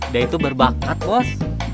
dia itu berbakat bos